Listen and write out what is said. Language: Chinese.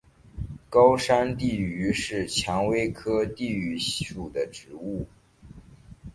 高山地榆是蔷薇科地榆属的植物。